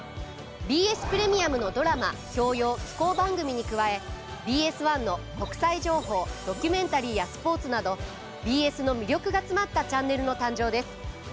ＢＳプレミアムのドラマ教養紀行番組に加えＢＳ１の国際情報ドキュメンタリーやスポーツなどＢＳの魅力が詰まったチャンネルの誕生です。